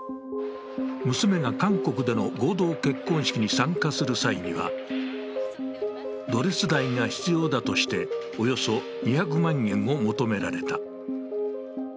娘が韓国での合同結婚式に参加する際には、ドレス代が必要だとして、およそ２００万円を求められた。